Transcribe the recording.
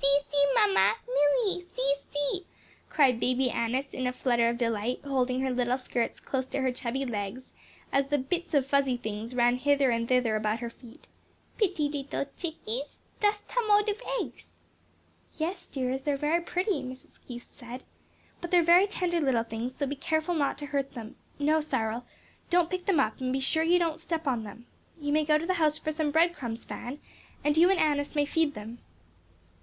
"See! see! mamma, Milly! see! see!" cried Baby Annis in a flutter of delight, holding her little skirts close to her chubby legs, as the "bits of fuzzy things" ran hither and thither about her feet, "pitty 'ittle chickies, dust tum out of eggs." "Yes, dears, they are very pretty," Mrs. Keith said; "but they are very tender little things; so be careful not to hurt them. No, Cyril, don't pick them up, and be sure you don't step on them. You may go to the house for some bread crumbs, Fan, and you and Annis may feed them."